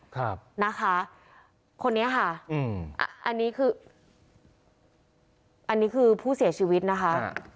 ครับนะคะคนนี้ค่ะอืมอันนี้คืออันนี้คือผู้เสียชีวิตนะคะ